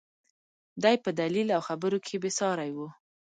دى په دليل او خبرو کښې بې سارى و.